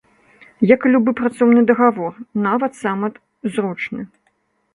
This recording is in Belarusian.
Як і любы працоўны дагавор, нават самы зручны.